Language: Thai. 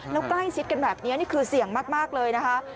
แล้วใกล้ชิดกันแบบนี้นี่คือเสี่ยงมากเลยนะคะ